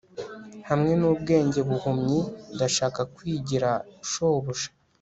Hamwe nubwenge buhumyi ndashaka kwigira shobuja